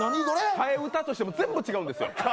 替え歌としても全部違うんですよ。